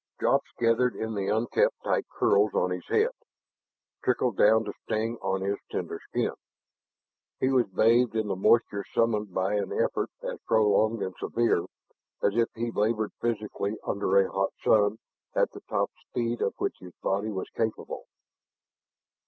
Drops gathered in the unkempt tight curls on his head, trickled down to sting on his tender skin. He was bathed in the moisture summoned by an effort as prolonged and severe as if he labored physically under a hot sun at the top speed of which his body was capable.